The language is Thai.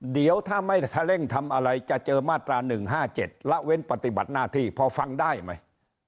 เดี๋ยวถ้าไม่เร่งทำอะไรจะเจอมาตรา๑๕๗ละเว้นปฏิบัติหน้าที่พอฟังได้ไหม